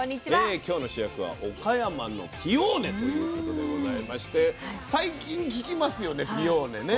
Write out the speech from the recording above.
今日の主役は岡山のピオーネということでございまして最近聞きますよね